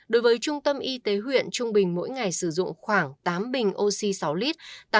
đối với trung tâm y tế huyện trung bình mỗi ngày sử dụng khoảng tám bình oxy sáu lít